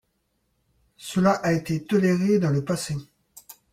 Cela a été toléré dans le passé.